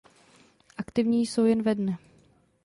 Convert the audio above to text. Aktivní jsou jen ve dne.